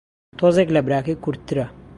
تۆزێک لە براکەی کورتترە